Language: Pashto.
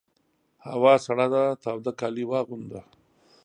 هوا سړه ده تاوده کالي واغونده!